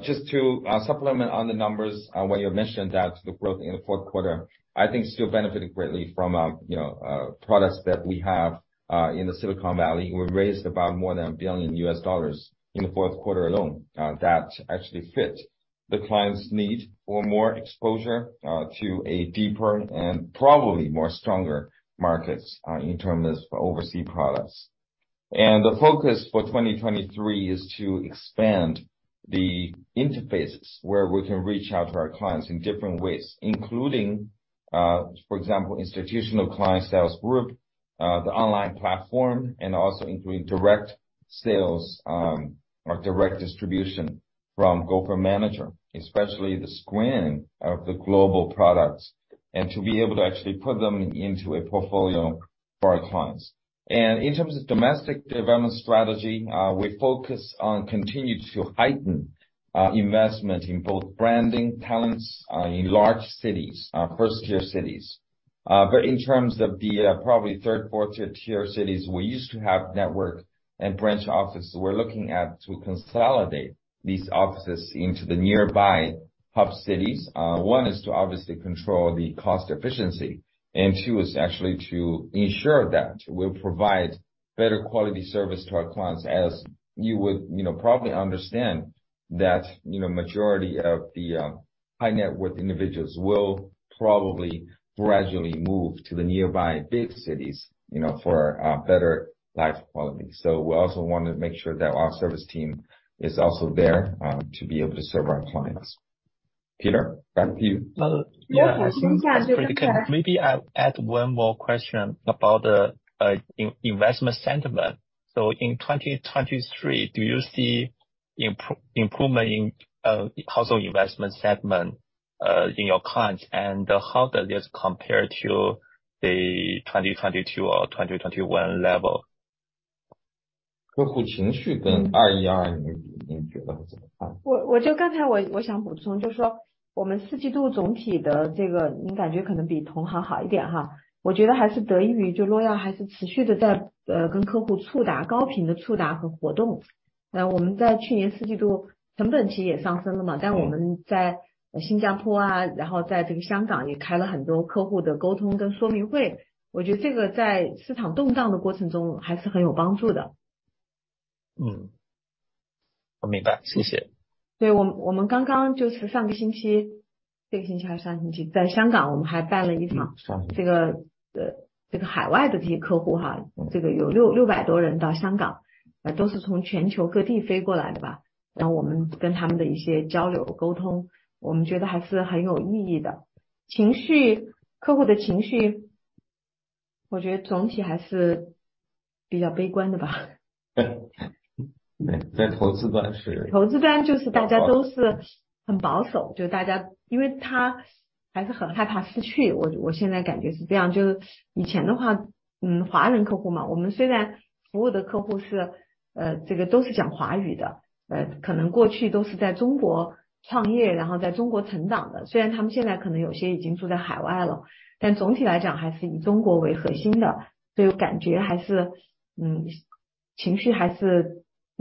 Just to supplement on the numbers when you mentioned that the growth in the fourth quarter, I think still benefited greatly from, you know, products that we have in the Silicon Valley. We raised about more than $1 billion in the fourth quarter alone. That actually fit the client's need for more exposure to a deeper and probably more stronger markets in terms of oversea products. The focus for 2023 is to expand the interfaces where we can reach out to our clients in different ways, including, for example, institutional client sales group, the online platform, also including direct sales, or direct distribution from Gopher manager, especially the screen of the global products, and to be able to actually put them into a portfolio for our clients. In terms of domestic development strategy, we focus on continue to heighten investment in both branding talents in large cities, first-tier cities. But in terms of the probably third-tier, fourth-tier cities, we used to have network and branch offices, we're looking at to consolidate these offices into the nearby hub cities. One is to obviously control the cost efficiency, and two is actually to ensure that we provide better quality service to our clients. As you would, you know, probably understand that, you know, majority of the high-net-worth individuals will probably gradually move to the nearby big cities, you know, for better life quality. We also want to make sure that our service team is also there to be able to serve our clients. Peter, back to you. Yeah, I think that's pretty clear. Maybe I add one more question about the investment sentiment. In 2023, do you see improvement in household investment segment in your clients? How does this compare to the 2022 or 2021 level? 客户情绪跟二一、二零 比， 您觉得怎么 看？ 我就刚才我想补 充， 就是说我们四季度总体的这个您感觉可能比同行好一点。我觉得还是得益于就 Noah 还是持续地在跟客户触 达， 高频的触达和活动。我们在去年四季度成本其实也上升 了， 但我们在新加 坡， 然后在香港也开了很多客户的沟通跟说明 会， 我觉得这个在市场动荡的过程中还是很有帮助的。我明 白， 谢谢。对， 我们刚刚就是上个星 期， 这个星期还是上星 期， 在香港我们还办了一 场， 这 个， 这个海外的这些客户 哈， 这个有六-六百多人到香港 来， 都是从全球各地飞过来的吧。然后我们跟他们的一些交流、沟 通， 我们觉得还是很有意义的。情 绪， 客户的情 绪， 我觉得总体还是比较悲观的吧。在投资端 是. 投资端就是大家都是很保 守， 就是大家因为它还是很害怕失 去， 我-我现在感觉是这 样， 就是以前的 话， 嗯， 华人客户 嘛， 我们虽然服务的客户 是， 呃， 这个都是讲华语 的， 可能过去都是在中国创 业， 然后在中国成长 的， 虽然他们现在可能有些已经住在海外 了， 但总体来讲还是以中国为核心 的， 这个感觉还 是， 嗯， 情绪还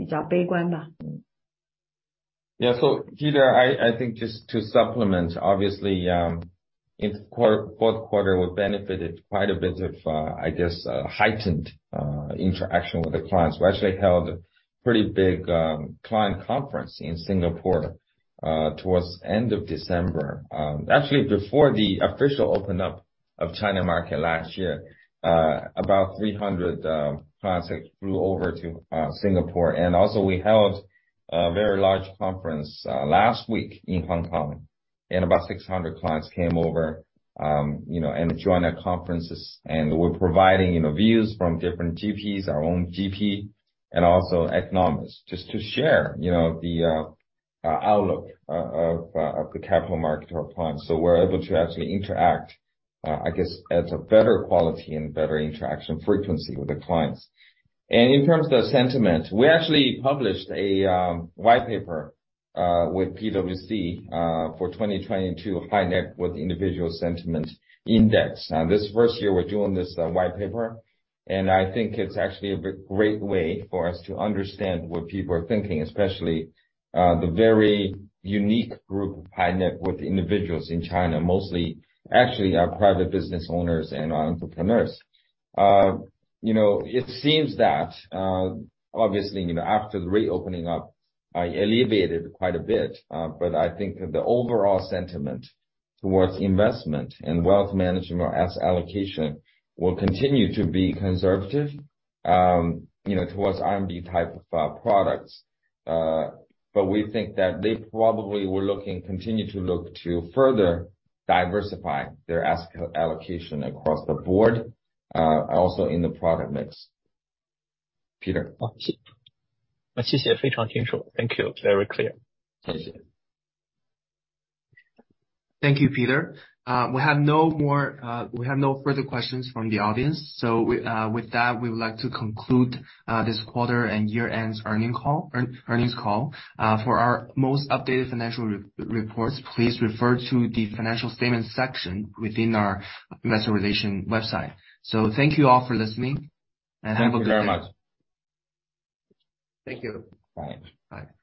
是比较悲观吧。Peter, I think just to supplement, obviously, in fourth quarter, we benefited quite a bit of, I guess, heightened interaction with the clients. We actually held a pretty big client conference in Singapore towards end of December. Actually, before the official opened up of China market last year, about 300 clients flew over to Singapore. We held a very large conference last week in Hong Kong, and about 600 clients came over, you know, and joined our conferences. We're providing, you know, views from different GPs, our own GP and also economists, just to share, you know, the outlook of the capital market to our clients. We're able to actually interact, I guess at a better quality and better interaction frequency with the clients. In terms of sentiment, we actually published a white paper with PwC for 2022 high-net-worth individual sentiment index. This first year we're doing this white paper, I think it's actually a great way for us to understand what people are thinking, especially the very unique group of high-net-worth individuals in China, mostly actually are private business owners and entrepreneurs. You know, it seems that, obviously, you know, after the reopening up, elevated quite a bit. I think the overall sentiment towards investment and wealth management or asset allocation will continue to be conservative, you know, towards RMB type of products. We think that they probably were looking, continue to look to further diversify their asset allocation across the board, also in the product mix. Peter. Thank you. Very clear. Thank you, Peter. We have no further questions from the audience. With that, we would like to conclude this quarter and year-end earnings call. For our most updated financial reports, please refer to the financial statements section within our investor relation website. Thank you all for listening and have a good day. Thank you very much. Thank you. Bye. Bye.